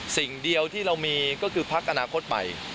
สิ่งเดียวที่เรามีก็คือพักอนาคตใหม่